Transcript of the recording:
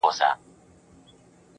ساده قاموسي تعریفونه